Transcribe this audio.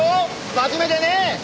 真面目でね。